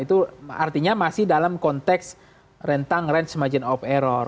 itu artinya masih dalam konteks rentang range margin of error